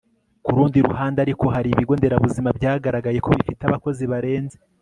ku rundi ruhande ariko hari ibigo nderabuzima byagaragaye ko bifite abakozi barenze